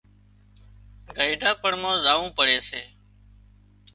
گئيڍا پڻ مان زاوون پڙي سي